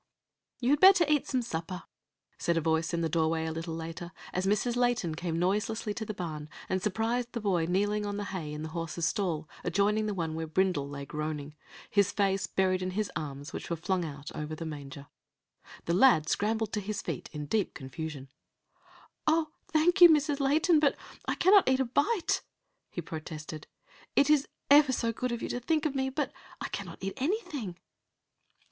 "You had better eat some supper," said a voice in the doorway a little later, as Mrs. Layton came noiselessly to the barn, and surprised the boy kneeling on the hay in the horse's stall adjoining the one where Brindle lay groaning, his face buried in his arms, which were flung out over the manger. The lad scrambled to his feet in deep confusion. "O, thank you, Mrs. Layton, but I cannot eat a bite!" he protested. "It is ever so good of you to think of me, but I cannot eat anything."